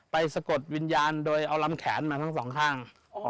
สะกดวิญญาณโดยเอาลำแขนมาทั้งสองข้าง